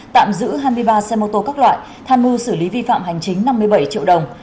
tạm giữ hai mươi ba xe mô tô các loại tham mưu xử lý vi phạm hành chính năm mươi bảy triệu đồng